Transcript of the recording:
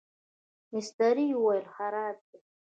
مستري وویل خراب دی.